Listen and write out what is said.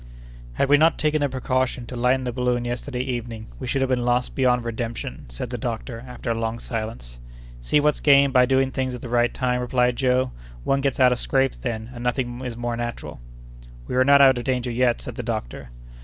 "Had we not taken the precaution to lighten the balloon yesterday evening, we should have been lost beyond redemption," said the doctor, after a long silence. "See what's gained by doing things at the right time!" replied Joe. "One gets out of scrapes then, and nothing is more natural." "We are not out of danger yet," said the doctor.